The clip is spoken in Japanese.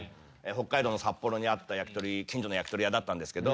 北海道の札幌にあった焼き鳥近所の焼き鳥屋だったんですけど。